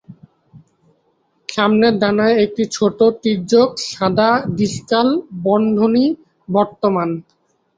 সামনের ডানায় একটি ছোট, তীর্যক সাদা ডিসকাল বন্ধনী বর্তমান।